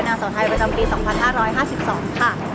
สาวไทยประจำปี๒๕๕๒ค่ะ